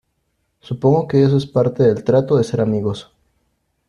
supongo que eso es parte del trato de ser amigos.